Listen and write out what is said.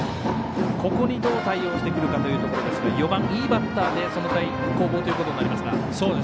ここにどう対応してくるかというところですけど４番、いいバッターで攻防ということになりますが。